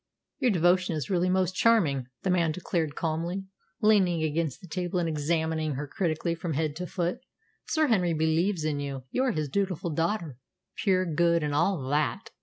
"Your devotion is really most charming," the man declared calmly, leaning against the table and examining her critically from head to foot. "Sir Henry believes in you. You are his dutiful daughter pure, good, and all that!"